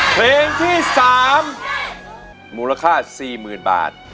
เพลงที่๓มูลค่า๔๐๐๐บาท